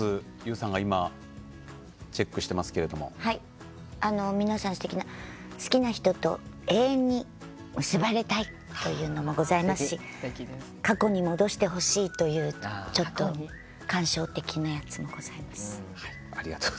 ＹＯＵさんが今チェックしていますけれども「好きな人と永遠に結ばれたい」というのもございますし「過去に戻してほしい」というちょっと感傷的なやつもございます。